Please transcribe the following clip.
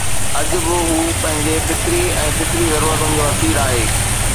اڄ به هو پنهنجي فطري ۽ فطري ضرورتن جو اسير آهي.